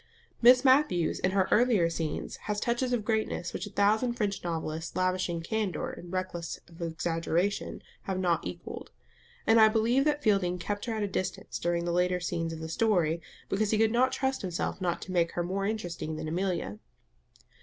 Miss Matthews in her earlier scenes has touches of greatness which a thousand French novelists lavishing "candour" and reckless of exaggeration have not equalled; and I believe that Fielding kept her at a distance during the later scenes of the story, because he could not trust himself not to make her more interesting than Amelia.